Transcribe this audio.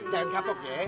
jangan kapok ya